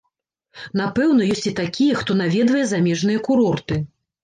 Напэўна, ёсць і такія, хто наведвае замежныя курорты.